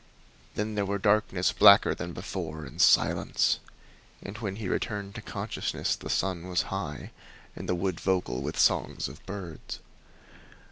Then there were darkness blacker than before, and silence; and when he returned to consciousness the sun was high and the wood vocal with songs of birds.